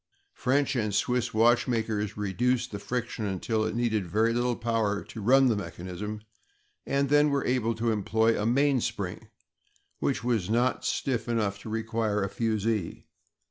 French and Swiss watchmakers reduced the friction until it needed very little power to run the mechanism, and then were able to employ a mainspring which was not stiff enough to require a fusee.